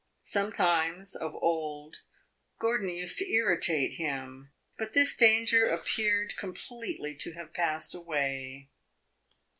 Sometimes, of old, Gordon used to irritate him; but this danger appeared completely to have passed away.